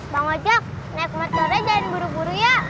bang ojek naik motornya jangan buru buru ya